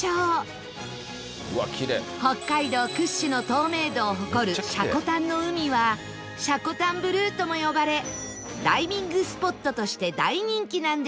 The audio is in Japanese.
北海道屈指の透明度を誇る積丹の海は積丹ブルーとも呼ばれダイビングスポットとして大人気なんです